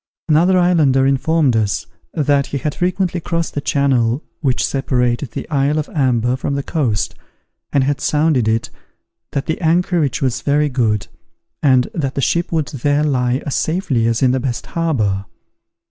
Another islander informed us, that he had frequently crossed the channel which separates the isle of Amber from the coast, and had sounded it, that the anchorage was very good, and that the ship would there lie as safely as in the best harbour.